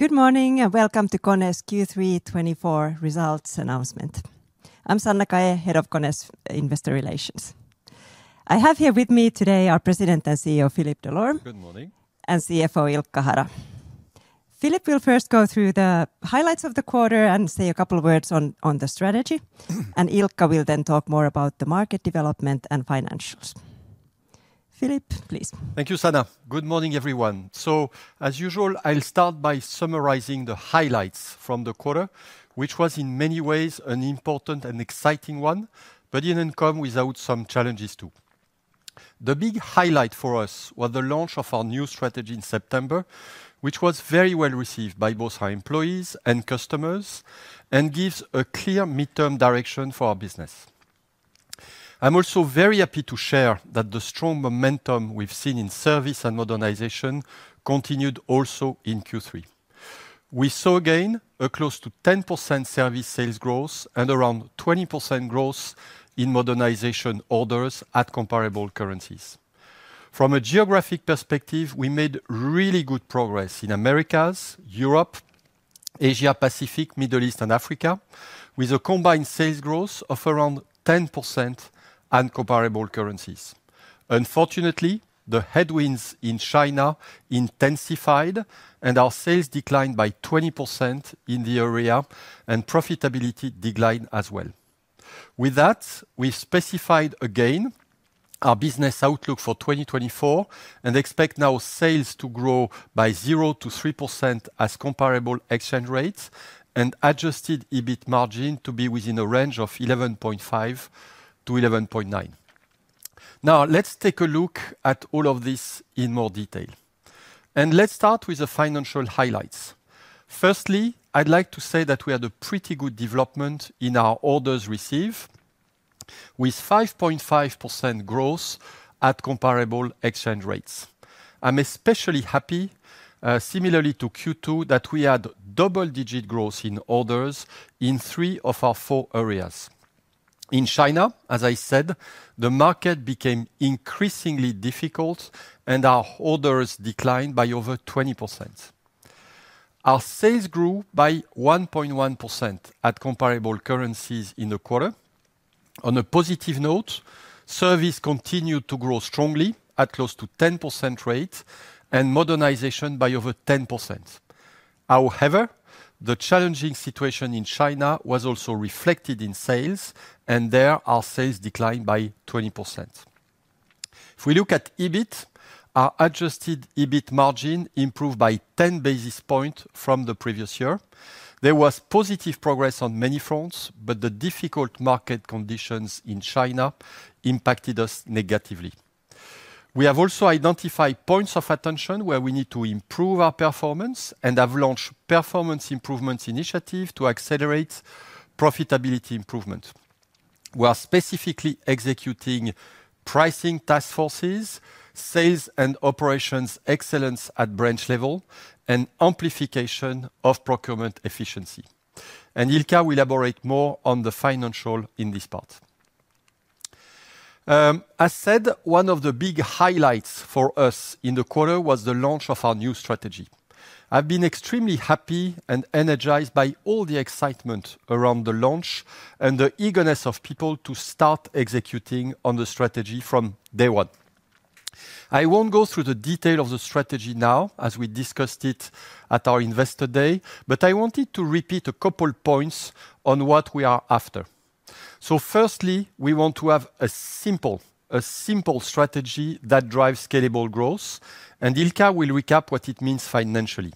Good morning, and welcome to KONE's Q3 twenty-four results announcement. I'm Sanna Kaje, Head of KONE's Investor Relations. I have here with me today our President and CEO, Philippe Delorme. Good morning. And CFO Ilkka Hara. Philippe will first go through the highlights of the quarter and say a couple words on the strategy. And Ilkka will then talk more about the market development and financials. Philippe, please. Thank you, Sanna. Good morning, everyone. So, as usual, I'll start by summarizing the highlights from the quarter, which was in many ways an important and exciting one, but didn't come without some challenges, too. The big highlight for us was the launch of our new strategy in September, which was very well received by both our employees and customers and gives a clear midterm direction for our business. I'm also very happy to share that the strong momentum we've seen in service and modernization continued also in Q3. We saw, again, a close to 10% service sales growth and around 20% growth in modernization orders at comparable currencies. From a geographic perspective, we made really good progress in Americas, Europe, Asia Pacific, Middle East, and Africa, with a combined sales growth of around 10% and comparable currencies. Unfortunately, the headwinds in China intensified, and our sales declined by 20% in the area, and profitability declined as well. With that, we've specified again our business outlook for 2024 and expect now sales to grow by 0% to 3% as comparable exchange rates and adjusted EBIT margin to be within a range of 11.5% to 11.9%. Now, let's take a look at all of this in more detail, and let's start with the financial highlights. Firstly, I'd like to say that we had a pretty good development in our orders received, with 5.5% growth at comparable exchange rates. I'm especially happy, similarly to Q2, that we had double-digit growth in orders in three of our four areas. In China, as I said, the market became increasingly difficult, and our orders declined by over 20%. Our sales grew by 1.1% at comparable currencies in the quarter. On a positive note, service continued to grow strongly at close to 10% rate and modernization by over 10%. However, the challenging situation in China was also reflected in sales, and there our sales declined by 20%. If we look at EBIT, our adjusted EBIT margin improved by 10 basis points from the previous year. There was positive progress on many fronts, but the difficult market conditions in China impacted us negatively. We have also identified points of attention where we need to improve our performance and have launched performance improvements initiative to accelerate profitability improvement. We are specifically executing pricing task forces, sales and operations excellence at branch level, and amplification of procurement efficiency. And Ilkka will elaborate more on the financial in this part. As said, one of the big highlights for us in the quarter was the launch of our new strategy. I've been extremely happy and energized by all the excitement around the launch and the eagerness of people to start executing on the strategy from day one. I won't go through the detail of the strategy now, as we discussed it at our Investor Day, but I wanted to repeat a couple points on what we are after. So firstly, we want to have a simple strategy that drives scalable growth, and Ilkka will recap what it means financially.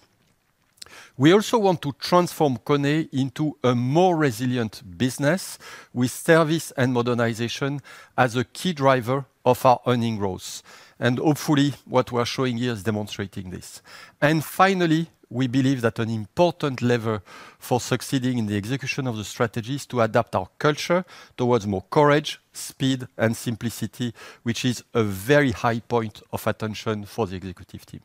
We also want to transform KONE into a more resilient business with service and modernization as a key driver of our earnings growth. Hopefully, what we are showing here is demonstrating this. And finally, we believe that an important lever for succeeding in the execution of the strategy is to adapt our culture towards more courage, speed, and simplicity, which is a very high point of attention for the executive team.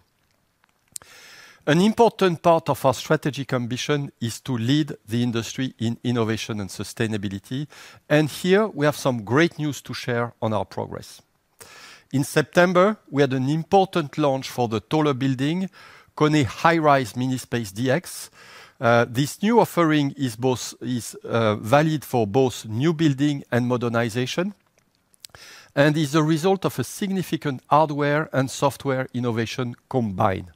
An important part of our strategic ambition is to lead the industry in innovation and sustainability, and here we have some great news to share on our progress. In September, we had an important launch for the taller building, KONE High-Rise MiniSpace DX. This new offering is both valid for both new building and modernization and is a result of a significant hardware and software innovation combined.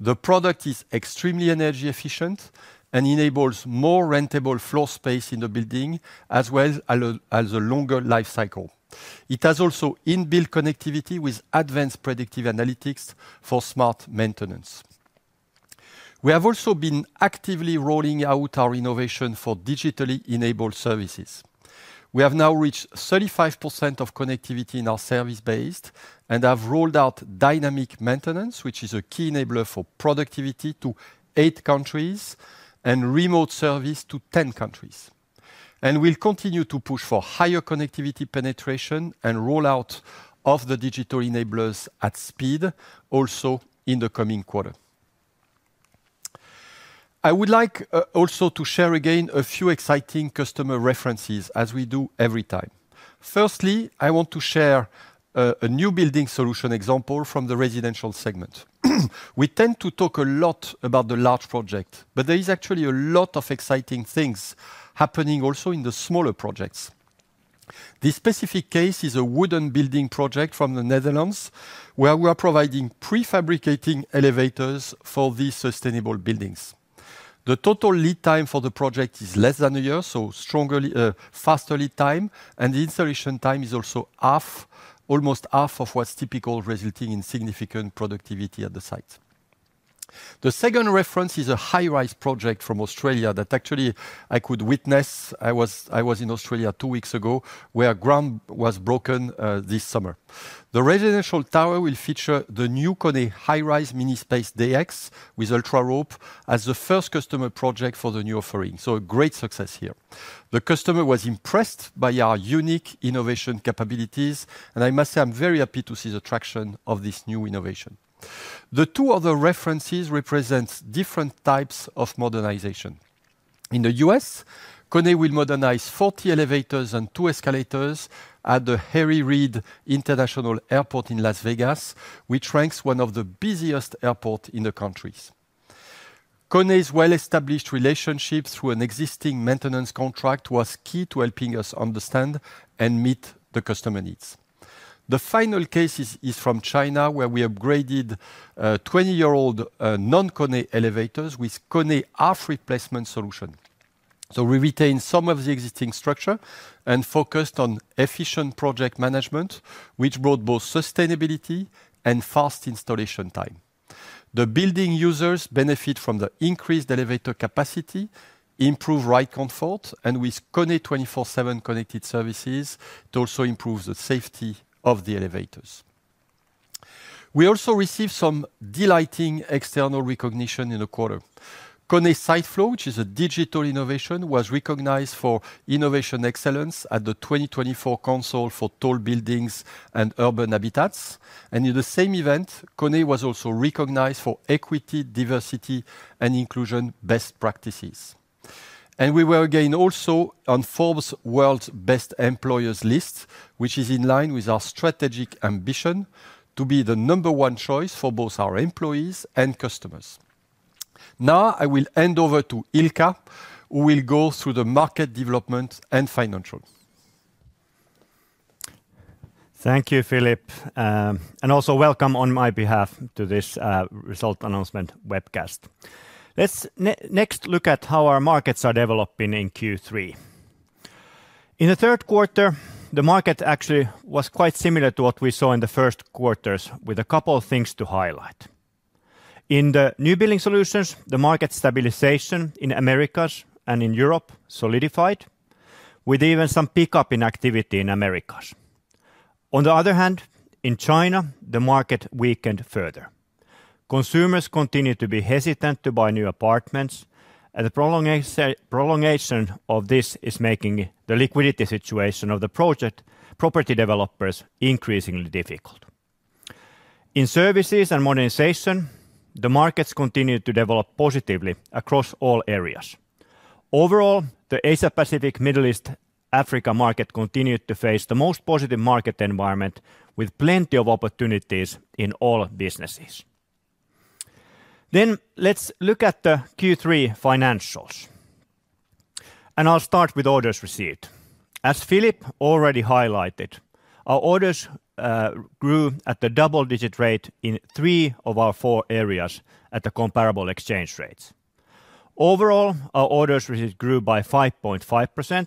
The product is extremely energy efficient and enables more rentable floor space in the building, as well as a longer life cycle. It has also in-built connectivity with advanced predictive analytics for smart maintenance. We have also been actively rolling out our innovation for digitally enabled services. We have now reached 35% of connectivity in our service base and have rolled out Dynamic Maintenance, which is a key enabler for productivity, to eight countries and remote service to 10 countries. And we'll continue to push for higher connectivity penetration and rollout of the digital enablers at speed, also in the coming quarter. I would like also to share again a few exciting customer references, as we do every time. Firstly, I want to share a new building solution example from the residential segment. We tend to talk a lot about the large project, but there is actually a lot of exciting things happening also in the smaller projects. This specific case is a wooden building project from the Netherlands, where we are providing prefabricated elevators for these sustainable buildings. The total lead time for the project is less than a year, so strongly, faster lead time, and the installation time is also half, almost half of what's typical, resulting in significant productivity at the site. The second reference is a high-rise project from Australia that actually I could witness. I was in Australia two weeks ago, where ground was broken this summer. The residential tower will feature the new KONE High-Rise MiniSpace DX with UltraRope as the first customer project for the new offering, so a great success here. The customer was impressed by our unique innovation capabilities, and I must say I'm very happy to see the traction of this new innovation. The two other references represents different types of modernization. In the U.S., KONE will modernize 40 elevators and two escalators at the Harry Reid International Airport in Las Vegas, which ranks one of the busiest airport in the countries. KONE's well-established relationships through an existing maintenance contract was key to helping us understand and meet the customer needs. The final case is from China, where we upgraded 20-year-old non-KONE elevators with KONE half replacement solution, so we retained some of the existing structure and focused on efficient project management, which brought both sustainability and fast installation time. The building users benefit from the increased elevator capacity, improved ride comfort, and with KONE 24/7 Connected Services, it also improves the safety of the elevators. We also received some delightful external recognition in the quarter. KONE SiteFlow, which is a digital innovation, was recognized for innovation excellence at the 2024 Council on Tall Buildings and Urban Habitat, and in the same event, KONE was also recognized for equity, diversity, and inclusion best practices. We were again also on Forbes World's Best Employers list, which is in line with our strategic ambition to be the number one choice for both our employees and customers. Now, I will hand over to Ilkka, who will go through the market development and financials. Thank you, Philippe. And also welcome on my behalf to this result announcement webcast. Let's next look at how our markets are developing in Q3. In the third quarter, the market actually was quite similar to what we saw in the first quarters, with a couple of things to highlight. In the new building solutions, the market stabilization in Americas and in Europe solidified, with even some pickup in activity in Americas. On the other hand, in China, the market weakened further. Consumers continued to be hesitant to buy new apartments, and the prolongation of this is making the liquidity situation of the project property developers increasingly difficult. In services and modernization, the markets continued to develop positively across all areas. Overall, the Asia-Pacific, Middle East, Africa market continued to face the most positive market environment, with plenty of opportunities in all businesses. Then, let's look at the Q3 financials. And I'll start with orders received. As Philippe already highlighted, our orders grew at the double-digit rate in three of our four areas at the comparable exchange rates. Overall, our orders received grew by 5.5%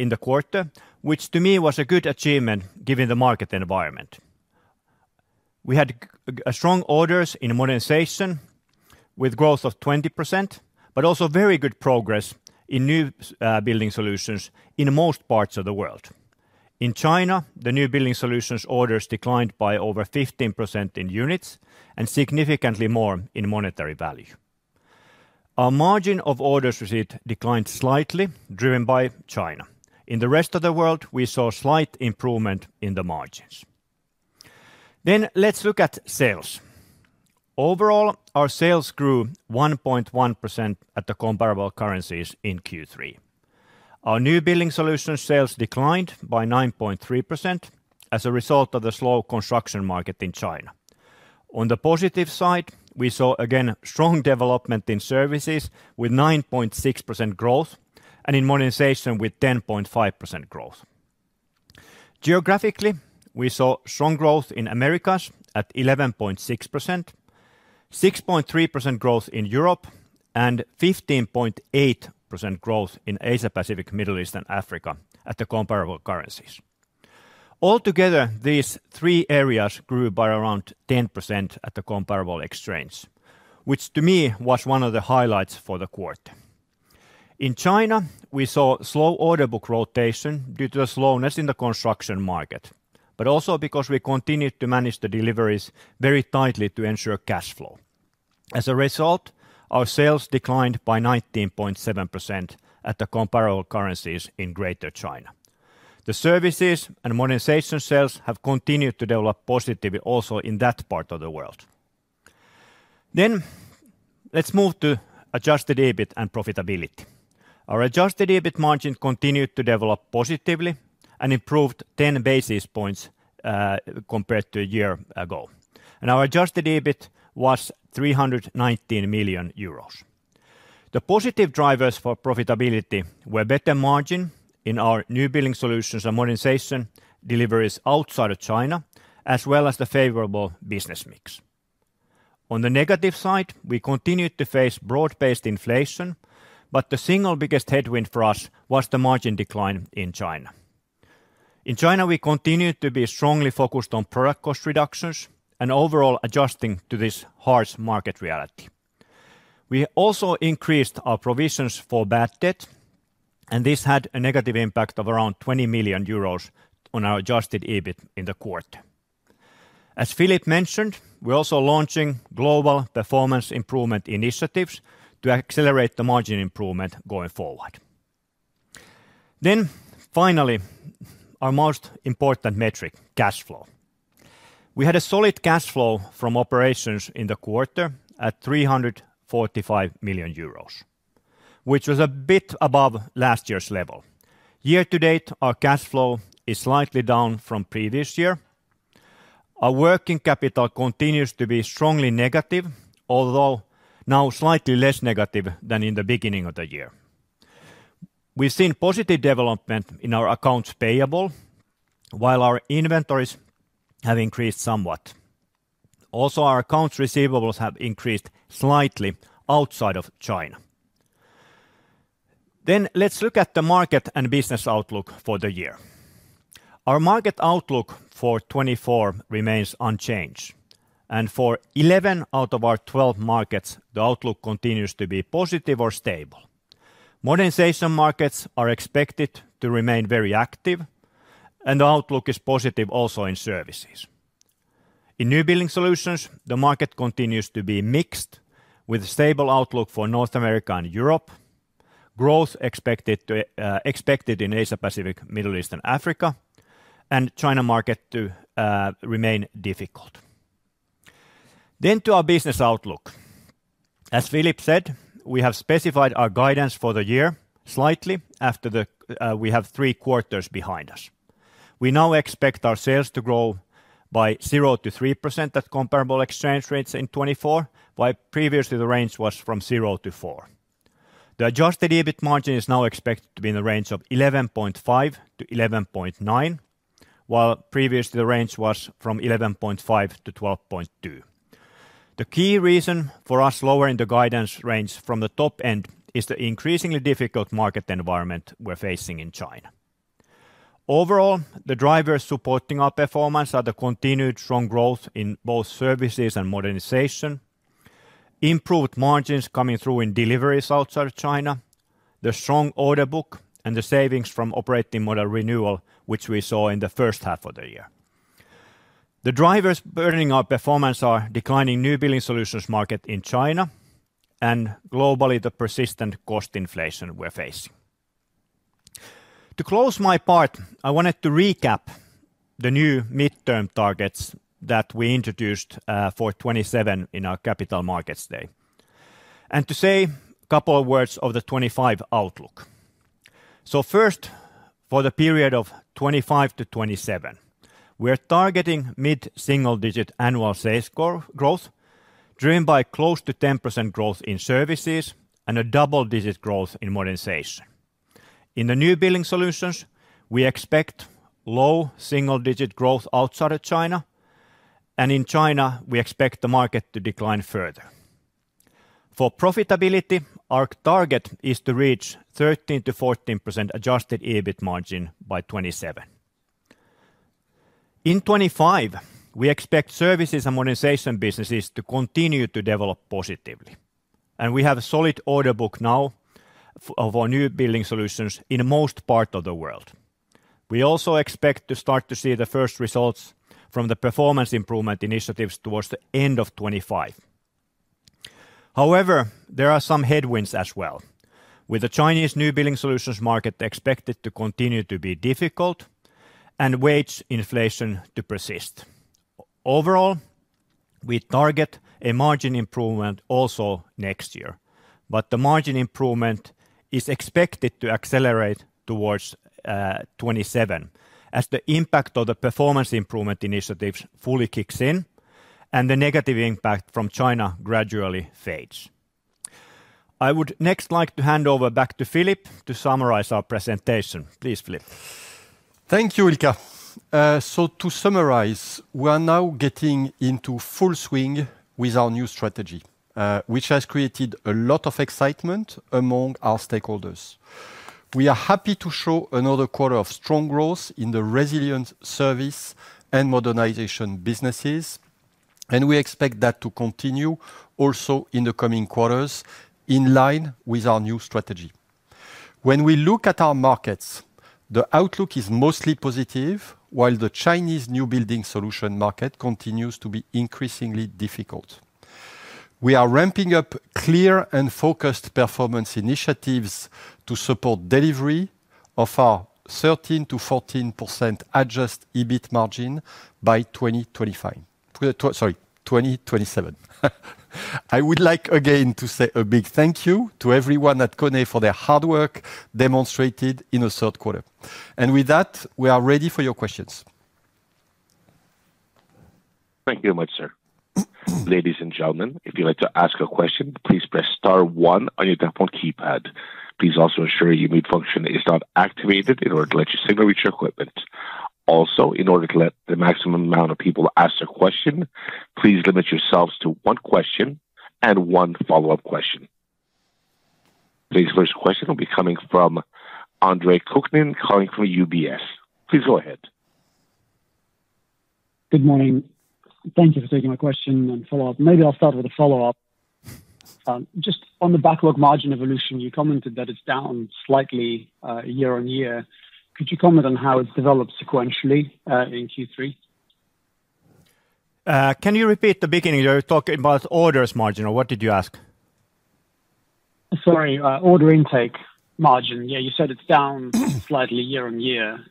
in the quarter, which to me was a good achievement, given the market environment. We had strong orders in modernization with growth of 20%, but also very good progress in new building solutions in most parts of the world. In China, the new building solutions orders declined by over 15% in units and significantly more in monetary value. Our margin of orders received declined slightly, driven by China. In the rest of the world, we saw slight improvement in the margins. Then, let's look at sales. Overall, our sales grew 1.1% at the comparable currencies in Q3. Our New Building Solutions sales declined by 9.3% as a result of the slow construction market in China. On the positive side, we saw again strong development in Services with 9.6% growth, and in Modernization with 10.5% growth. Geographically, we saw strong growth in Americas at 11.6%, 6.3% growth in Europe, and 15.8% growth in Asia-Pacific, Middle East and Africa at the comparable currencies. Altogether, these three areas grew by around 10% at the comparable exchange, which to me was one of the highlights for the quarter. In China, we saw slow order book rotation due to the slowness in the construction market, but also because we continued to manage the deliveries very tightly to ensure cash flow. As a result, our sales declined by 19.7% at the comparable currencies in Greater China. The services and modernization sales have continued to develop positively also in that part of the world, then let's move to adjusted EBIT and profitability. Our adjusted EBIT margin continued to develop positively and improved 10 basis points compared to a year ago, and our adjusted EBIT was 319 million euros. The positive drivers for profitability were better margin in our new building solutions and modernization deliveries outside of China, as well as the favorable business mix. On the negative side, we continued to face broad-based inflation, but the single biggest headwind for us was the margin decline in China. In China, we continued to be strongly focused on product cost reductions and overall adjusting to this harsh market reality. We also increased our provisions for bad debt, and this had a negative impact of around 20 million euros on our Adjusted EBIT in the quarter. As Philippe mentioned, we're also launching global performance improvement initiatives to accelerate the margin improvement going forward. Then finally, our most important metric: cash flow. We had a solid cash flow from operations in the quarter at 345 million euros, which was a bit above last year's level. Year to date, our cash flow is slightly down from previous year. Our working capital continues to be strongly negative, although now slightly less negative than in the beginning of the year. We've seen positive development in our accounts payable, while our inventories have increased somewhat. Also, our accounts receivables have increased slightly outside of China. Then let's look at the market and business outlook for the year. Our market outlook for 2024 remains unchanged, and for 11 out of our 12 markets, the outlook continues to be positive or stable. Modernization markets are expected to remain very active, and the outlook is positive also in services. In new building solutions, the market continues to be mixed, with a stable outlook for North America and Europe, growth expected in Asia, Pacific, Middle East, and Africa, and China market to remain difficult. Then to our business outlook. As Philippe said, we have specified our guidance for the year slightly after the we have three quarters behind us. We now expect our sales to grow by 0-3% at comparable exchange rates in 2024, while previously the range was from 0-4%. The Adjusted EBIT margin is now expected to be in the range of 11.5-11.9%, while previously the range was from 11.5-12.2%. The key reason for us lowering the guidance range from the top end is the increasingly difficult market environment we're facing in China. Overall, the drivers supporting our performance are the continued strong growth in both services and modernization, improved margins coming through in deliveries outside of China, the strong order book, and the savings from operating model renewal, which we saw in the first half of the year. The drivers burdening our performance are declining new building solutions market in China and globally, the persistent cost inflation we're facing. To close my part, I wanted to recap the new midterm targets that we introduced for 2027 in our Capital Markets Day, and to say a couple of words of the 2025 outlook. First, for the period of 2025 to 2027, we are targeting mid-single-digit annual sales growth, driven by close to 10% growth in services and a double-digit growth in modernization. In the new building solutions, we expect low single-digit growth outside of China, and in China, we expect the market to decline further. For profitability, our target is to reach 13%-14% adjusted EBIT margin by 2027. In 2025, we expect Services and Modernization businesses to continue to develop positively, and we have a solid order book now of our New Building Solutions in most part of the world. We also expect to start to see the first results from the performance improvement initiatives towards the end of 2025. However, there are some headwinds as well, with the Chinese New Building Solutions market expected to continue to be difficult and wage inflation to persist. Overall, we target a margin improvement also next year, but the margin improvement is expected to accelerate towards 2027, as the impact of the performance improvement initiatives fully kicks in and the negative impact from China gradually fades. I would next like to hand over back to Philippe to summarize our presentation. Please, Philippe. Thank you, Ilkka. So to summarize, we are now getting into full swing with our new strategy, which has created a lot of excitement among our stakeholders. We are happy to show another quarter of strong growth in the resilient service and modernization businesses, and we expect that to continue also in the coming quarters, in line with our new strategy. When we look at our markets, the outlook is mostly positive, while the Chinese new building solutions market continues to be increasingly difficult.... We are ramping up clear and focused performance initiatives to support delivery of our 13%-14% adjusted EBIT margin by 2027. I would like again to say a big thank you to everyone at KONE for their hard work demonstrated in the third quarter. And with that, we are ready for your questions. Thank you very much, sir. Ladies and gentlemen, if you'd like to ask a question, please press star one on your telephone keypad. Please also ensure your mute function is not activated in order to let you signal with your equipment. Also, in order to let the maximum amount of people ask their question, please limit yourselves to one question and one follow-up question. This first question will be coming from Andre Kukhnin, calling from UBS. Please go ahead. Good morning. Thank you for taking my question and follow-up. Maybe I'll start with a follow-up. Just on the backlog margin evolution, you commented that it's down slightly, year on year. Could you comment on how it's developed sequentially, in Q3? Can you repeat the beginning? You were talking about orders margin or what did you ask? Sorry, order intake margin. Yeah, you said it's down slightly year on year.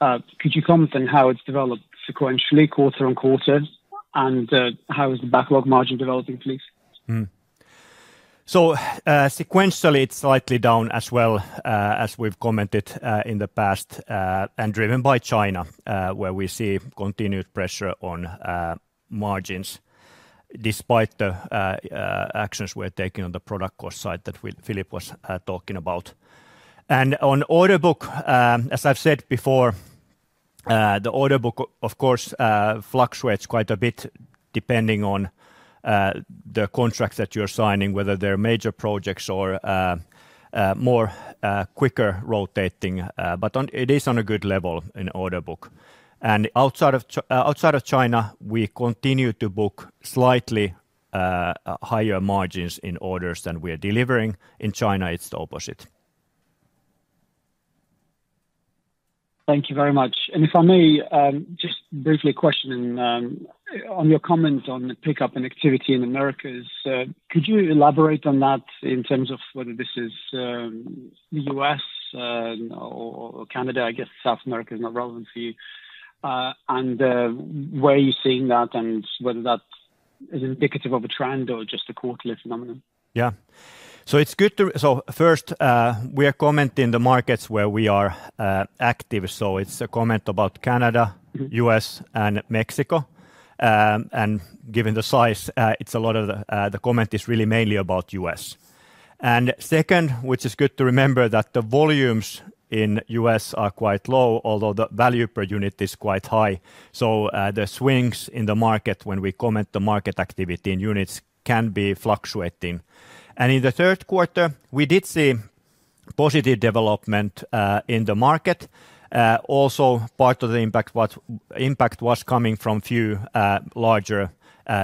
Could you comment on how it's developed sequentially, quarter on quarter, and how is the backlog margin developing, please? So, sequentially, it's slightly down as well, as we've commented in the past, and driven by China, where we see continued pressure on margins despite the actions we're taking on the product cost side that Philippe was talking about, and on order book, as I've said before, the order book, of course, fluctuates quite a bit, depending on the contracts that you're signing, whether they're major projects or more quicker rotating, but it is on a good level in order book, and outside of China, we continue to book slightly higher margins in orders than we are delivering. In China, it's the opposite. Thank you very much. And if I may, just briefly a question on your comment on the pickup in activity in Americas. Could you elaborate on that in terms of whether this is U.S. or Canada? I guess South America is not relevant for you. And where are you seeing that, and whether that is indicative of a trend or just a quarterly phenomenon? Yeah. First, we are commenting the markets where we are active, so it's a comment about Canada, U.S., and Mexico. And given the size, it's a lot of the comment is really mainly about U.S. And second, which is good to remember, that the volumes in U.S. are quite low, although the value per unit is quite high. So, the swings in the market when we comment the market activity in units can be fluctuating. And in the third quarter, we did see positive development in the market. Also part of the impact was coming from few larger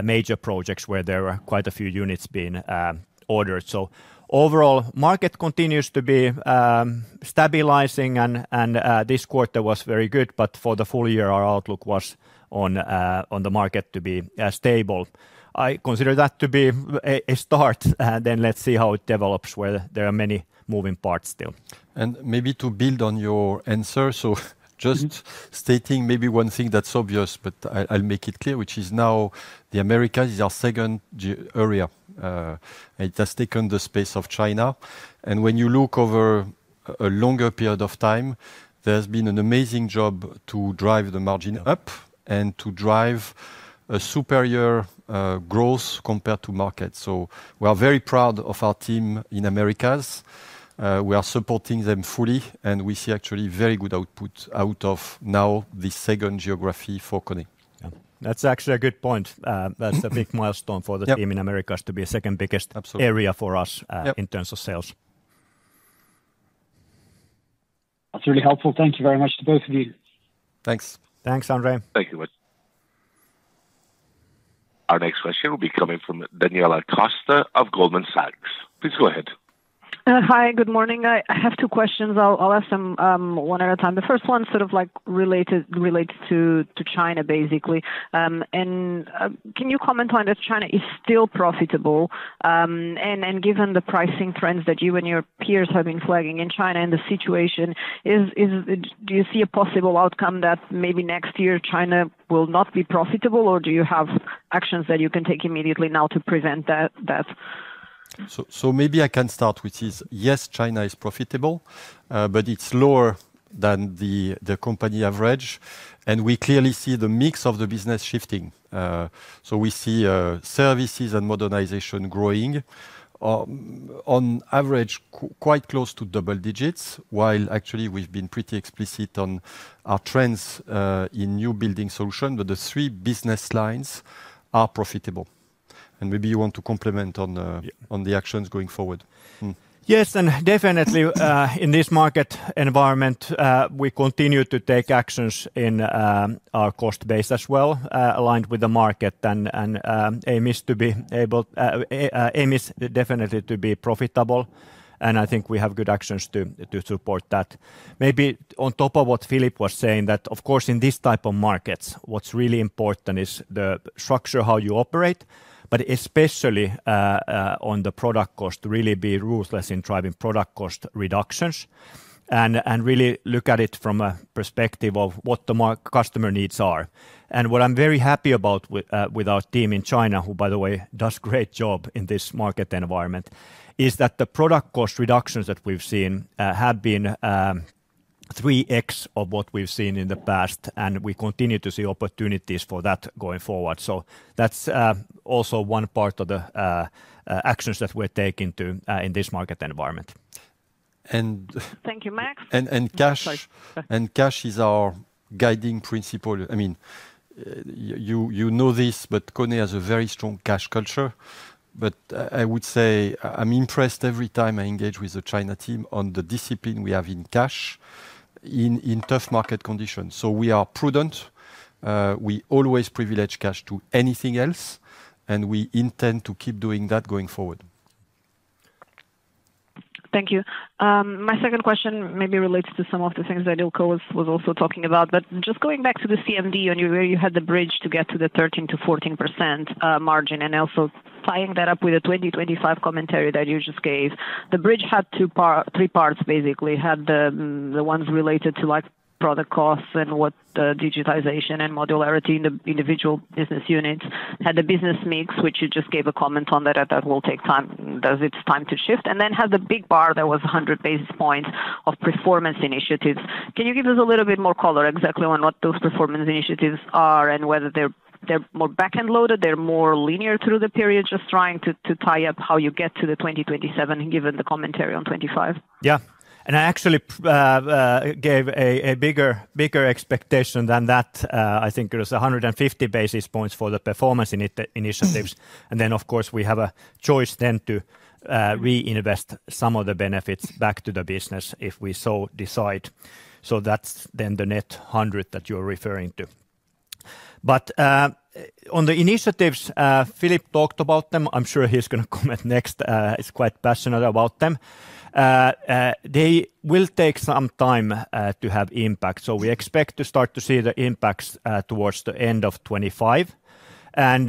major projects, where there were quite a few units being ordered. So overall, market continues to be stabilizing and this quarter was very good, but for the full year, our outlook was on the market to be stable. I consider that to be a start, then let's see how it develops, where there are many moving parts still. And maybe to build on your answer, so just- Mm-hmm... stating maybe one thing that's obvious, but I'll make it clear, which is now the Americas is our second geography area. It has taken the space of China. And when you look over a longer period of time, there's been an amazing job to drive the margin up and to drive a superior growth compared to market. So we are very proud of our team in Americas. We are supporting them fully, and we see actually very good output out of now the second geography for KONE. Yeah. That's actually a good point. Mm-hmm... that's a big milestone for the team- Yep... in Americas to be second biggest- Absolutely... area for us, Yep... in terms of sales. That's really helpful. Thank you very much to both of you. Thanks. Thanks, Andre. Thank you much. Our next question will be coming from Daniela Costa of Goldman Sachs. Please go ahead. Hi, good morning. I have two questions. I'll ask them one at a time. The first one, sort of like related, relates to China, basically. And can you comment on if China is still profitable? And given the pricing trends that you and your peers have been flagging in China, and the situation, is it do you see a possible outcome that maybe next year China will not be profitable, or do you have actions that you can take immediately now to prevent that? So maybe I can start, which is, yes, China is profitable, but it's lower than the company average, and we clearly see the mix of the business shifting. So we see services and modernization growing, on average, quite close to double digits, while actually we've been pretty explicit on our trends in new building solution, but the three business lines are profitable. And maybe you want to comment on the- Yeah... on the actions going forward. Yes, and definitely, in this market environment, we continue to take actions in our cost base as well, aligned with the market and aim is definitely to be profitable, and I think we have good actions to support that. Maybe on top of what Philippe was saying, that of course, in this type of markets, what's really important is the structure, how you operate, but especially on the product cost, really be ruthless in driving product cost reductions and really look at it from a perspective of what the market customer needs are. What I'm very happy about with our team in China, who, by the way, does great job in this market environment, is that the product cost reductions that we've seen have been three X of what we've seen in the past. Yeah. - and we continue to see opportunities for that going forward. So that's also one part of the actions that we're taking to in this market environment. And- Thank you, Max. cash- Sorry. Cash is our guiding principle. I mean, you know this, but KONE has a very strong cash culture. But I would say I'm impressed every time I engage with the China team on the discipline we have in cash in tough market conditions. So we are prudent. We always privilege cash to anything else, and we intend to keep doing that going forward. Thank you. My second question maybe relates to some of the things that Ilkka was also talking about. But just going back to the CMD and where you had the bridge to get to the 13%-14% margin, and also tying that up with the 2025 commentary that you just gave. The bridge had two part-three parts, basically. It had the ones related to like product costs and what digitization and modularity in the individual business units. Had the business mix, which you just gave a comment on that will take time, as it's time to shift. And then had the big bar that was 100 basis points of performance initiatives. Can you give us a little bit more color exactly on what those performance initiatives are, and whether they're more back-end loaded, they're more linear through the period? Just trying to tie up how you get to the 2027, and given the commentary on 2025. Yeah, and I actually gave a bigger expectation than that. I think it was a hundred and fifty basis points for the performance initiatives. Mm-hmm. And then, of course, we have a choice then to reinvest some of the benefits back to the business if we so decide. So that's then the net hundred that you're referring to. But on the initiatives, Philippe talked about them, I'm sure he's gonna comment next. He's quite passionate about them. They will take some time to have impact. So we expect to start to see the impacts towards the end of 2025. And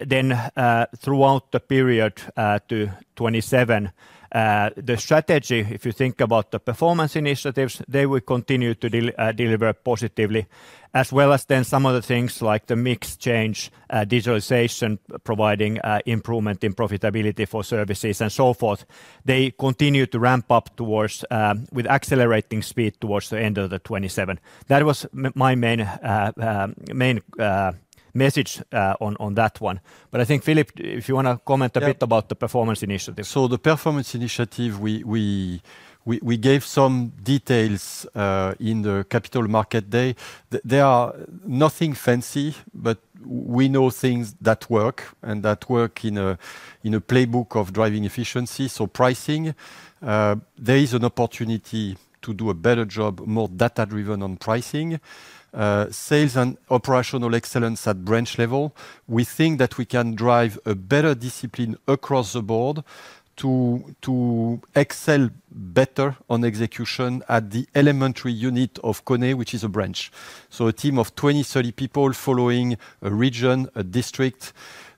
then, throughout the period to 2027, the strategy, if you think about the performance initiatives, they will continue to deliver positively, as well as then some of the things like the mix change, digitalization, providing improvement in profitability for services, and so forth. They continue to ramp up towards with accelerating speed towards the end of 2027. That was my main message on that one. But I think, Philippe, if you wanna comment a bit- Yeah... about the performance initiative. So the performance initiative, we gave some details in the Capital Markets Day. They are nothing fancy, but we know things that work, and that work in a playbook of driving efficiency. So pricing, there is an opportunity to do a better job, more data-driven on pricing. Sales and operational excellence at branch level, we think that we can drive a better discipline across the board to excel better on execution at the elementary unit of KONE, which is a branch. So a team of twenty, thirty people following a region, a district.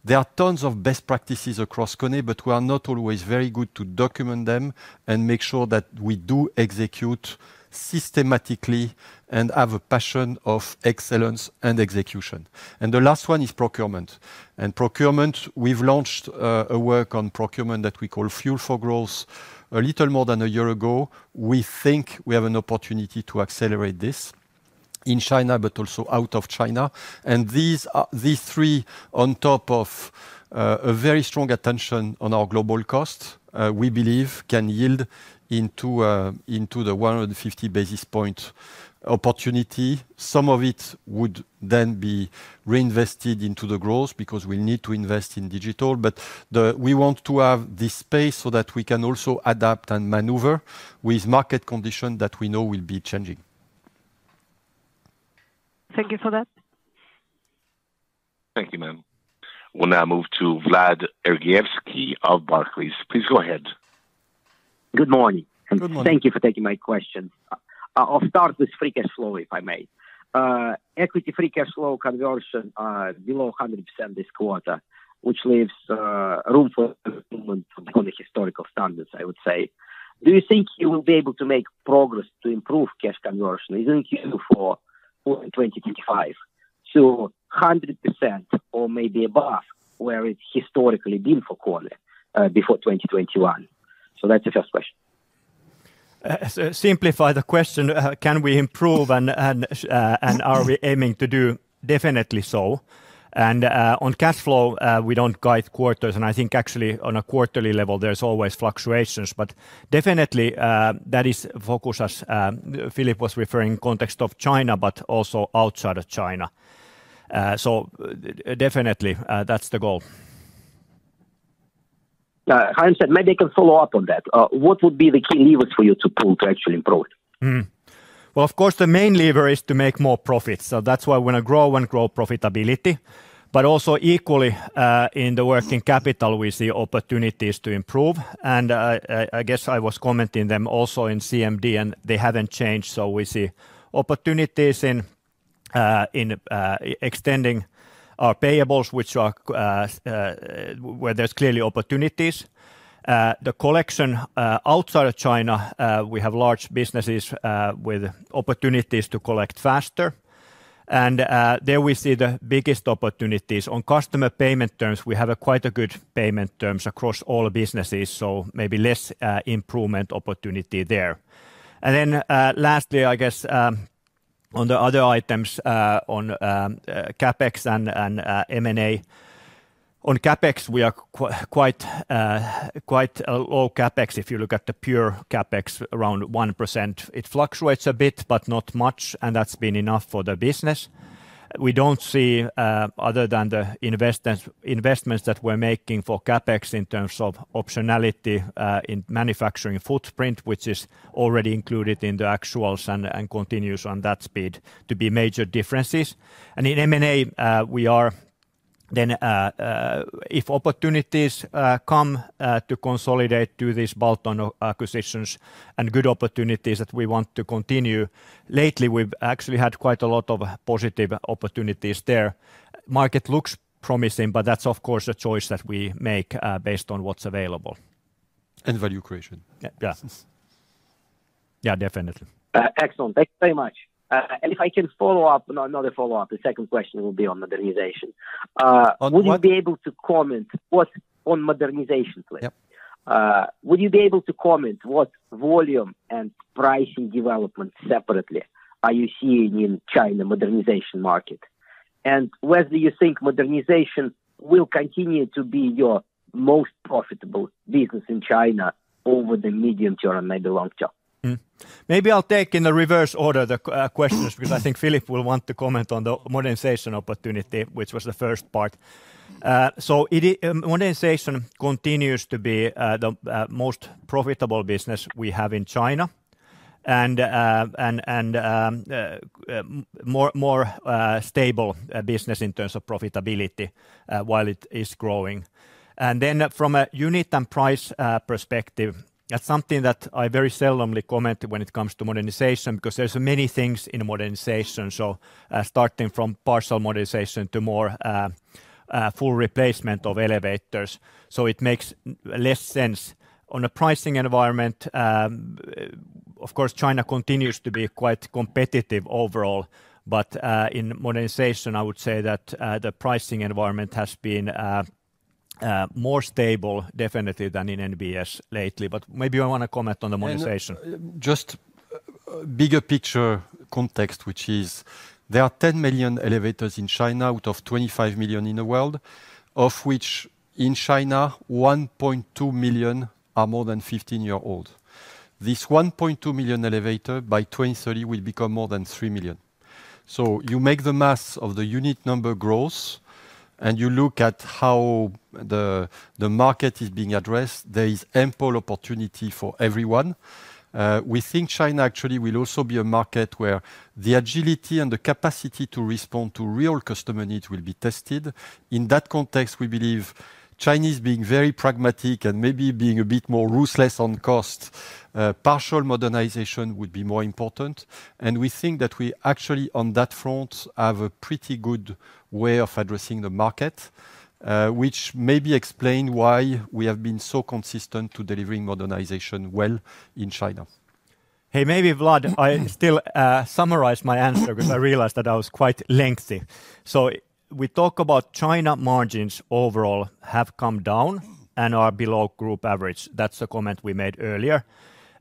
There are tons of best practices across KONE, but we are not always very good to document them and make sure that we do execute systematically, and have a passion of excellence and execution. And the last one is procurement. Procurement, we've launched a work on procurement that we call Fuel for Growth, a little more than a year ago. We think we have an opportunity to accelerate this in China, but also out of China. These three, on top of a very strong attention on our global cost, we believe can yield into, into the one hundred and fifty basis point opportunity. Some of it would then be reinvested into the growth, because we need to invest in digital. We want to have this space so that we can also adapt and maneuver with market condition that we know will be changing. Thank you for that. Thank you, ma'am. We'll now move to Vlad Sergievskiy Barclays. Please go ahead. Good morning. Good morning. And thank you for taking my question. I'll start with free cash flow, if I may. Equity free cash flow conversion are below 100% this quarter, which leaves room for historical standards, I would say. Do you think you will be able to make progress to improve cash conversion in Q4 or in twenty twenty-five? So 100% or maybe above, where it's historically been for KONE, before twenty twenty-one. So that's the first question. So simplify the question, can we improve and are we aiming to do? Definitely so. And on cash flow, we don't guide quarters, and I think actually on a quarterly level, there's always fluctuations. But definitely, that is focus as Philippe was referring context of China, but also outside of China. So definitely, that's the goal. Hence, maybe I can follow up on that. What would be the key levers for you to pull to actually improve? Mm-hmm. Well, of course, the main lever is to make more profit, so that's why we're gonna grow and grow profitability. But also equally, in the working capital, we see opportunities to improve. And, I guess I was commenting them also in CMD, and they haven't changed. So we see opportunities in extending our payables, which are, where there's clearly opportunities. The collection outside of China, we have large businesses with opportunities to collect faster. And, there we see the biggest opportunities. On customer payment terms, we have a quite good payment terms across all businesses, so maybe less improvement opportunity there. And then, lastly, I guess, on the other items, on CapEx and M&A. On CapEx, we are quite low CapEx. If you look at the pure CapEx, around 1%. It fluctuates a bit, but not much, and that's been enough for the business. We don't see other than the investments that we're making for CapEx in terms of optionality in manufacturing footprint, which is already included in the actuals and continues on that speed to be major differences. And in M&A, we are then. If opportunities come to consolidate, do these bolt-on acquisitions and good opportunities that we want to continue. Lately, we've actually had quite a lot of positive opportunities there. Market looks promising, but that's, of course, a choice that we make based on what's available. Value creation. Yeah. Yes. Yeah, definitely. Excellent. Thank you very much, and if I can follow up, another follow-up, the second question will be on modernization. On what? Would you be able to comment on modernization, please? Yep. Would you be able to comment what volume and pricing development separately are you seeing in China modernization market? And whether you think modernization will continue to be your most profitable business in China over the medium term and maybe long term? Mm. Maybe I'll take in the reverse order, the questions - because I think Philippe will want to comment on the modernization opportunity, which was the first part. So modernization continues to be the most profitable business we have in China, and more stable business in terms of profitability while it is growing. And then from a unit and price perspective, that's something that I very seldomly comment when it comes to modernization, because there's many things in modernization, so starting from partial modernization to more full replacement of elevators, so it makes less sense. On a pricing environment, of course, China continues to be quite competitive overall. But, in Modernization, I would say that, the pricing environment has been, more stable definitely than in NBS lately. But maybe you want to comment on Modernization. And just bigger picture context, which is, there are 10 million elevators in China, out of 25 million in the world, of which, in China, 1.2 million are more than 15 years old. This 1.2 million elevators, by 2030, will become more than three million. So you make the math of the unit number growth, and you look at how the market is being addressed, there is ample opportunity for everyone. We think China actually will also be a market where the agility and the capacity to respond to real customer needs will be tested. In that context, we believe Chinese being very pragmatic and maybe being a bit more ruthless on cost, partial modernization would be more important. We think that we actually, on that front, have a pretty good way of addressing the market, which maybe explain why we have been so consistent to delivering modernization well in China. Hey, maybe, Vlad. I still summarize my answer because I realized that I was quite lengthy. So we talk about China margins overall have come down and are below group average. That's a comment we made earlier.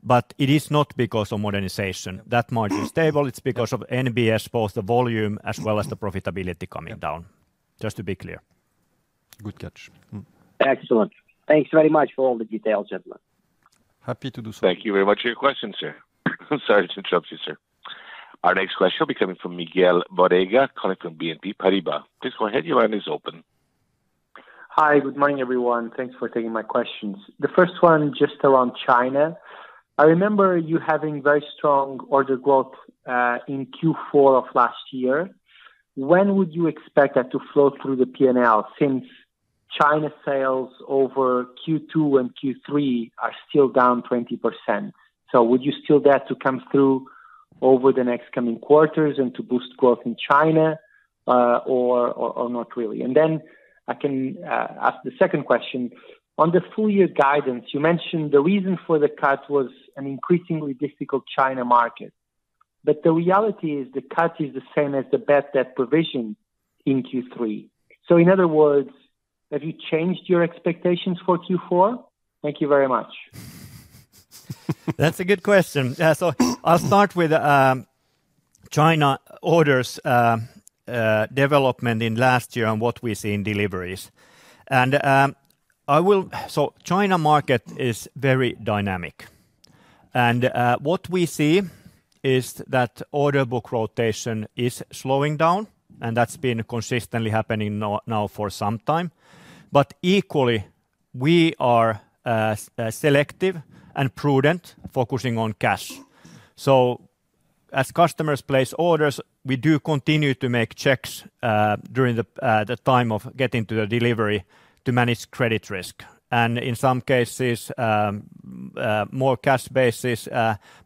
But it is not because of modernization. That margin is stable, it's because of NBS, both the volume as well as the profitability coming down. Yep. Just to be clear. Good catch. Mm. Excellent. Thanks very much for all the details, gentlemen. Happy to do so. Thank you very much for your questions, sir. Sorry to interrupt you, sir. Our next question will be coming from Miguel Borrega, coming from BNP Paribas. Please go ahead, your line is open. Hi. Good morning, everyone. Thanks for taking my questions. The first one, just around China. I remember you having very strong order growth in Q4 of last year. When would you expect that to flow through the P&L, since China sales over Q2 and Q3 are still down 20%? So would you still dare to come through over the next coming quarters and to boost growth in China, or not really? And then I can ask the second question. On the full year guidance, you mentioned the reason for the cut was an increasingly difficult China market. But the reality is, the cut is the same as the bad debt provision in Q3. So in other words, have you changed your expectations for Q4? Thank you very much. That's a good question. Yeah, so I'll start with China orders, development in last year and what we see in deliveries. So China market is very dynamic. And what we see is that order book rotation is slowing down, and that's been consistently happening now for some time. But equally, we are selective and prudent, focusing on cash. So as customers place orders, we do continue to make checks during the time of getting to the delivery to manage credit risk. And in some cases more cash basis,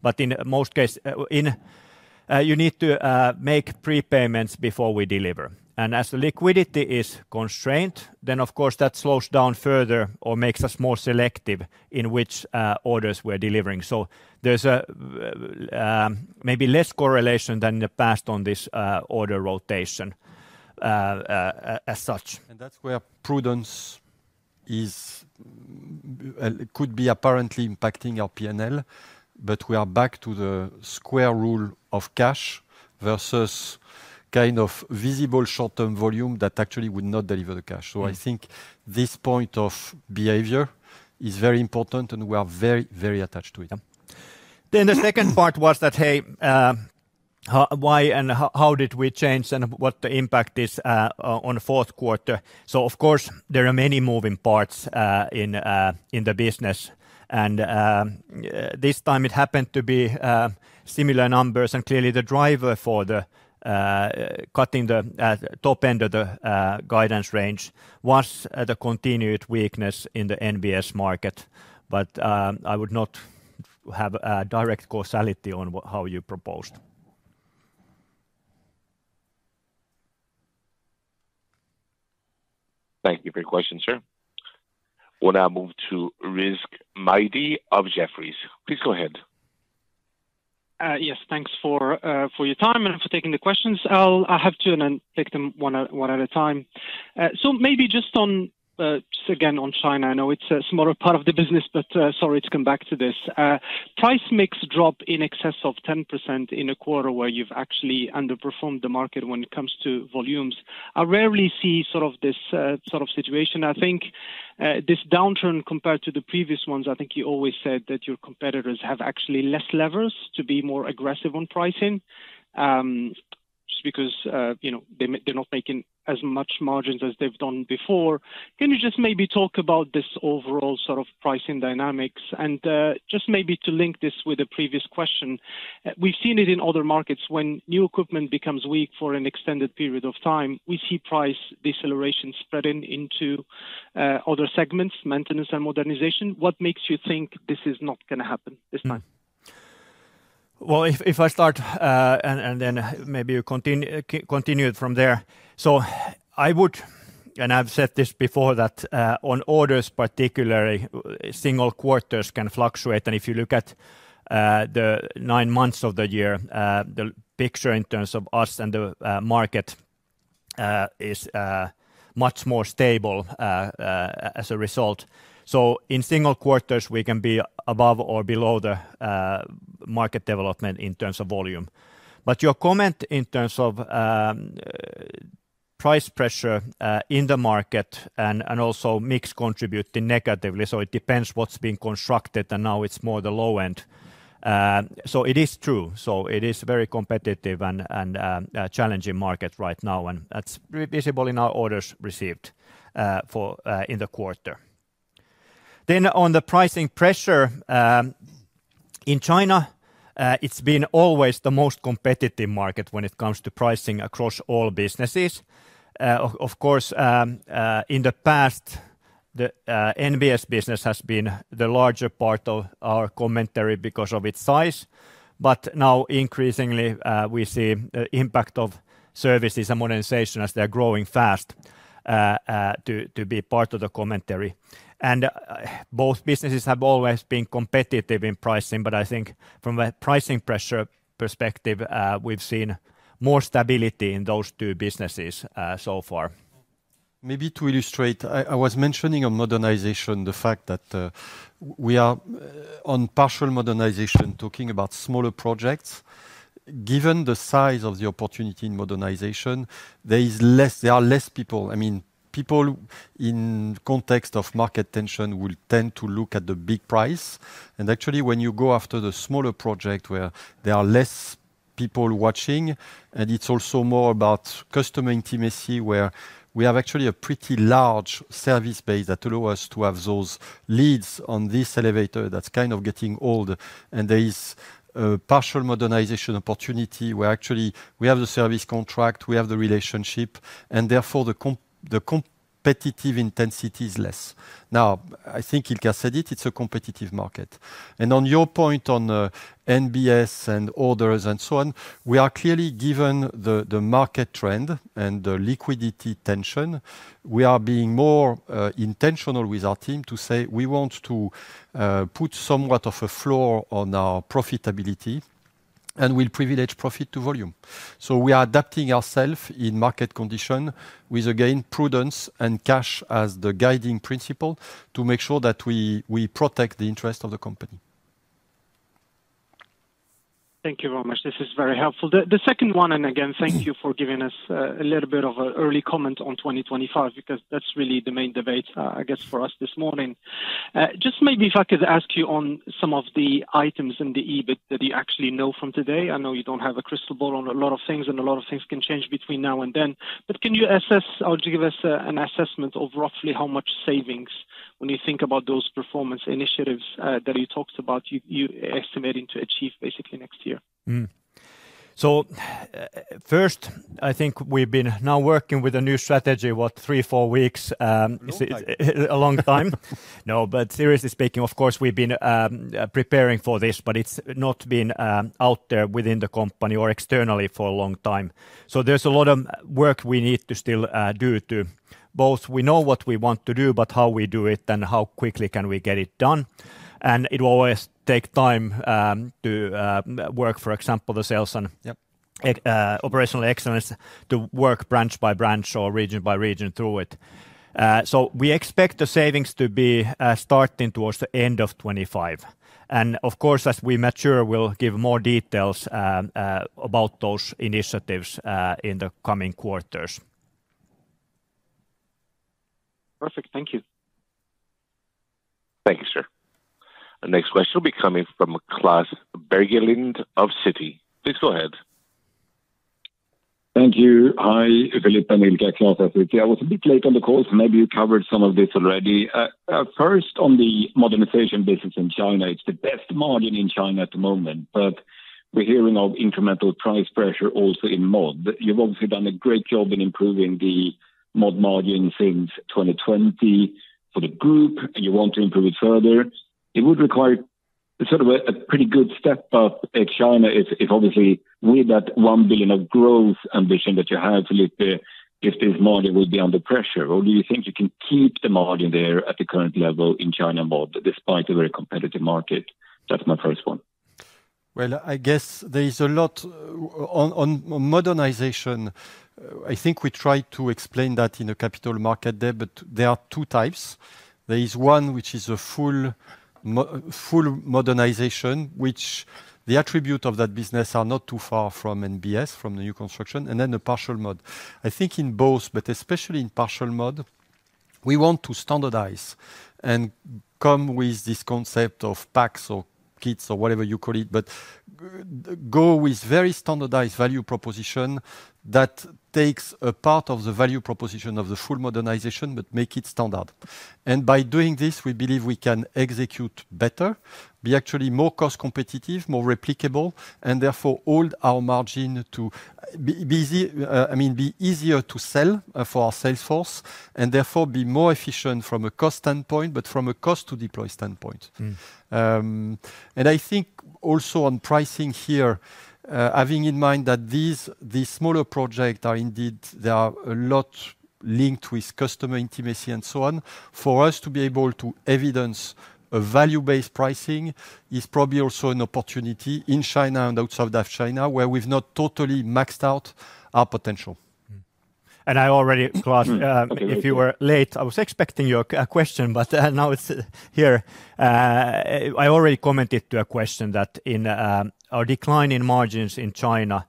but in most case you need to make prepayments before we deliver. And as the liquidity is constrained, then of course, that slows down further or makes us more selective in which orders we're delivering. So there's maybe less correlation than in the past on this order rotation as such. And that's where prudence is. It could be apparently impacting our PNL, but we are back to the square one of cash versus kind of visible short-term volume that actually would not deliver the cash. So I think this point of behavior is very important, and we are very, very attached to it. Then the second part was that, hey, how, why and how we changed, and what the impact is on fourth quarter? So of course, there are many moving parts in the business. And this time it happened to be similar numbers, and clearly the driver for cutting the top end of the guidance range was the continued weakness in the NBS market. But I would not have a direct causality on how you proposed. Thank you for your question, sir. We'll now move to Rizk Maidi of Jefferies. Please go ahead. Yes, thanks for your time and for taking the questions. I have two, and I'll take them one at a time. So maybe just on, just again, on China. I know it's a smaller part of the business, but sorry to come back to this. Price mix drop in excess of 10% in a quarter where you've actually underperformed the market when it comes to volumes. I rarely see sort of this sort of situation. I think this downturn compared to the previous ones, I think you always said that your competitors have actually less levers to be more aggressive on pricing. Just because, you know, they're not making as much margins as they've done before. Can you just maybe talk about this overall sort of pricing dynamics? Just maybe to link this with the previous question, we've seen it in other markets when new equipment becomes weak for an extended period of time, we see price deceleration spreading into other segments, maintenance and modernization. What makes you think this is not gonna happen this time? Well, if I start and then maybe you continue it from there. So I would, and I've said this before, that on orders, particularly, single quarters can fluctuate. And if you look at the nine months of the year, the picture in terms of us and the market is much more stable as a result. So in single quarters, we can be above or below the market development in terms of volume. But your comment in terms of price pressure in the market and also mix contributing negatively, so it depends what's being constructed, and now it's more the low end. So it is true. So it is very competitive and a challenging market right now, and that's very visible in our orders received for in the quarter. On the pricing pressure in China, it's been always the most competitive market when it comes to pricing across all businesses. Of course, in the past, the NBS business has been the larger part of our commentary because of its size. But now, increasingly, we see impact of services and modernization as they're growing fast to be part of the commentary. Both businesses have always been competitive in pricing, but I think from a pricing pressure perspective, we've seen more stability in those two businesses so far. Maybe to illustrate, I, I was mentioning on modernization, the fact that, we are on partial modernization, talking about smaller projects. Given the size of the opportunity in modernization, there is less, there are less people. I mean, people in context of market tension will tend to look at the big price. And actually, when you go after the smaller project, where there are less people watching, and it's also more about customer intimacy, where we have actually a pretty large service base that allow us to have those leads on this elevator that's kind of getting old, and there is a partial modernization opportunity, where actually we have the service contract, we have the relationship, and therefore, the com- the competitive intensity is less. Now, I think Ilkka said it, it's a competitive market. On your point on NBS and orders and so on, we are clearly given the market trend and the liquidity tension. We are being more intentional with our team to say we want to put somewhat of a floor on our profitability, and we'll privilege profit to volume. We are adapting ourself in market condition with again prudence and cash as the guiding principle, to make sure that we protect the interest of the company. Thank you very much. This is very helpful. The second one, and again, thank you for giving us a little bit of a early comment on twenty twenty-five, because that's really the main debate, I guess, for us this morning. Just maybe if I could ask you on some of the items in the EBIT that you actually know from today. I know you don't have a crystal ball on a lot of things, and a lot of things can change between now and then. But can you assess or give us an assessment of roughly how much savings when you think about those performance initiatives that you talked about, you estimating to achieve basically next year? Mm-hmm. So, first, I think we've been now working with a new strategy, what? three, four weeks. Long time. A long time. No, but seriously speaking, of course, we've been preparing for this, but it's not been out there within the company or externally for a long time. So there's a lot of work we need to still do to both. We know what we want to do, but how we do it and how quickly can we get it done. And it will always take time to work, for example, the sales and- Yep operational excellence, to work branch by branch or region by region through it. So we expect the savings to be starting towards the end of 2025. And of course, as we mature, we'll give more details about those initiatives in the coming quarters. Perfect. Thank you. Thank you, sir. The next question will be coming from Klas Bergelind of Citi. Please go ahead. Thank you. Hi, Philippe and Ilkka. Klas at Citi. I was a bit late on the call, so maybe you covered some of this already. First, on the modernization business in China, it's the best margin in China at the moment, but we're hearing of incremental price pressure also in mod. You've obviously done a great job in improving the mod margin since 2020 for the group, and you want to improve it further. It would require sort of a pretty good step up in China if obviously with that 1 billion of growth ambition that you have, Philippe, if this margin will be under pressure, or do you think you can keep the margin there at the current level in China mod, despite a very competitive market? That's my first one. I guess there is a lot on modernization. I think we tried to explain that in a Capital Markets Day, but there are two types. There is one which is a full modernization, which the attribute of that business are not too far from NBS, from the new construction, and then the partial mod. I think in both, but especially in partial mod, we want to standardize and come with this concept of packs or kits or whatever you call it, but go with very standardized value proposition that takes a part of the value proposition of the full modernization, but make it standard. And by doing this, we believe we can execute better, be actually more cost competitive, more replicable, and therefore hold our margin to be easier to sell, for our sales force, and therefore be more efficient from a cost standpoint, but from a cost to deploy standpoint. Mm. And I think also on pricing here, having in mind that these smaller projects are indeed linked with customer intimacy and so on. For us to be able to evidence a value-based pricing is probably also an opportunity in China and outside of China, where we've not totally maxed out our potential. Mm-hmm. And I already, Klas- Okay, thank you. If you were late, I was expecting your question, but now it's here. I already commented to a question that in our decline in margins in China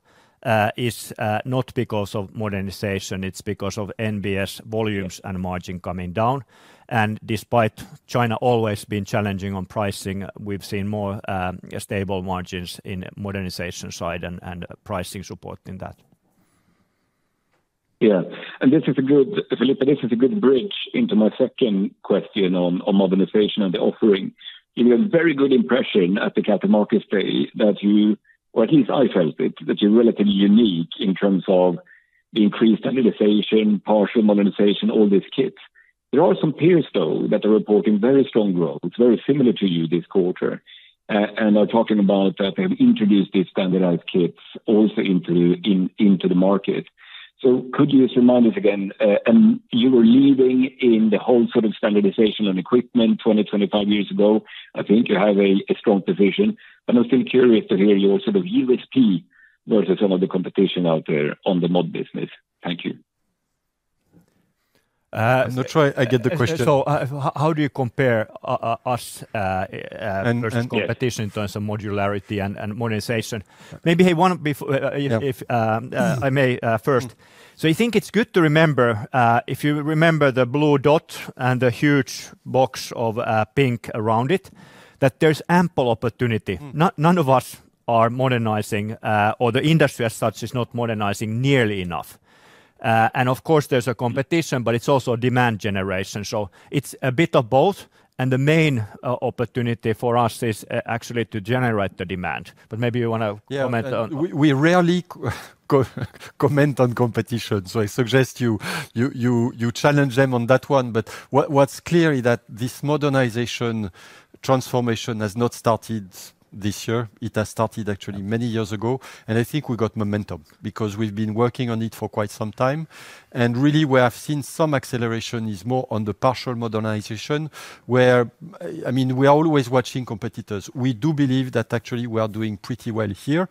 is not because of modernization, it's because of NBS volumes and margin coming down. Despite China always been challenging on pricing, we've seen more stable margins in modernization side and pricing support in that. Yeah, and Philippe, this is a good bridge into my second question on modernization and the offering. You made a very good impression at the Capital Markets Day, that you, or at least I felt it, that you're relatively unique in terms of the increased standardization, partial modernization, all these kits. There are some peers, though, that are reporting very strong growth, very similar to you this quarter, and are talking about that they have introduced these standardized kits also into the market. So could you just remind us again, and you were leading in the whole sort of standardization and equipment twenty-five years ago. I think you have a strong position, but I'm still curious to hear your sort of USP versus some of the competition out there on the mod business. Thank you. Uh- Not sure I get the question. How do you compare us versus- And, and- Competition in terms of modularity and modernization? Yeah. Maybe, hey, one before- Yeah If I may, first. Mm. So I think it's good to remember, if you remember the blue dot and the huge box of pink around it, that there's ample opportunity. Mm. None of us are modernizing, or the industry as such, is not modernizing nearly enough. And of course, there's a competition, but it's also demand generation. So it's a bit of both, and the main opportunity for us is actually to generate the demand. But maybe you want to comment on- Yeah. We rarely comment on competition, so I suggest you challenge them on that one. But what's clear is that this modernization transformation has not started this year. It has started actually many years ago, and I think we got momentum because we've been working on it for quite some time. Really, where I've seen some acceleration is more on the partial modernization, where I mean we are always watching competitors. We do believe that actually we are doing pretty well here,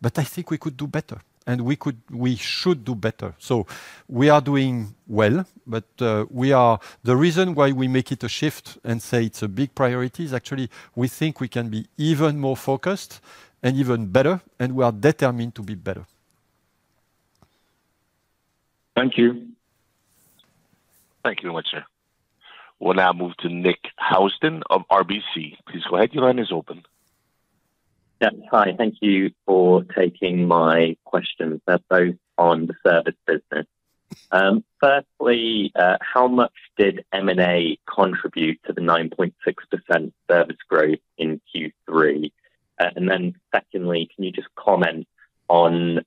but I think we could do better, and we should do better. So we are doing well, but the reason why we make it a shift and say it's a big priority is actually we think we can be even more focused and even better, and we are determined to be better. Thank you. Thank you much, sir. We'll now move to Nick Housden of RBC. Please go ahead. Your line is open. Yeah. Hi, thank you for taking my questions, they're both on the service business. Firstly, how much did M&A contribute to the 9.6% service growth in Q3? And then secondly, can you just comment on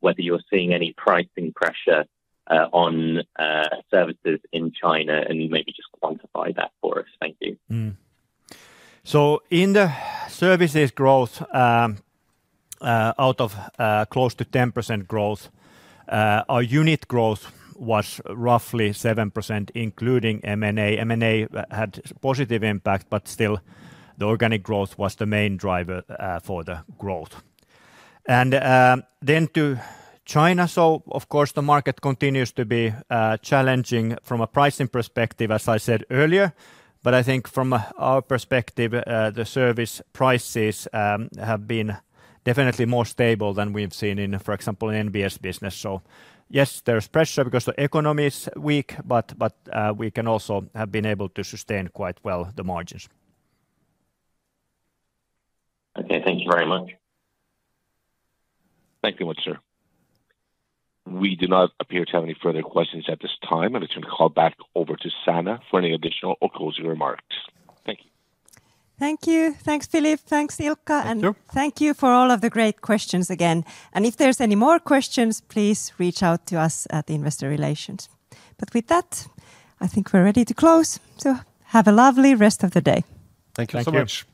whether you're seeing any pricing pressure on services in China, and maybe just quantify that for us. Thank you. So in the services growth, out of close to 10% growth, our unit growth was roughly 7%, including M&A. M&A had positive impact, but still, the organic growth was the main driver for the growth. And then to China, so of course, the market continues to be challenging from a pricing perspective, as I said earlier, but I think from our perspective, the service prices have been definitely more stable than we've seen in, for example, in NBS business. So yes, there's pressure because the economy is weak, but we have also been able to sustain quite well the margins. Okay. Thank you very much. Thank you much, sir. We do not appear to have any further questions at this time. I'm going to call back over to Sanna for any additional or closing remarks. Thank you. Thank you. Thanks, Philippe. Thanks, Ilkka. Thank you. Thank you for all of the great questions again. If there's any more questions, please reach out to us at Investor Relations. With that, I think we're ready to close, so have a lovely rest of the day. Thank you so much.